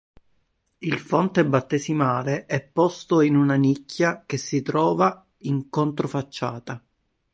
Il fonte battesimale è posto in una nicchia che si trova in controfacciata.